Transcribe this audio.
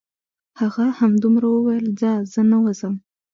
هغه همدومره وویل: ځه زه نه وځم.